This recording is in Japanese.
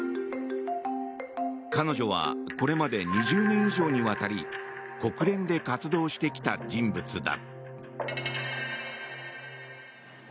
彼女はこれまで２０年以上にわたり国連で活動してきた人物だ。